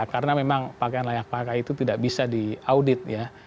karena memang pakaian layak pakai itu tidak bisa di audit ya